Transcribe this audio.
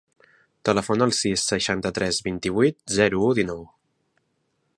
Telefona al sis, seixanta-tres, vint-i-vuit, zero, u, dinou.